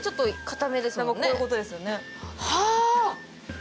だから、こういうことですよね。